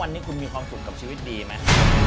วันนี้คุณมีความสุขกับชีวิตดีไหม